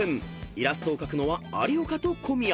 ［イラストを描くのは有岡と小宮］